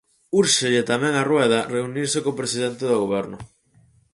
Úrxelle tamén a Rueda reunirse co presidente do Goberno.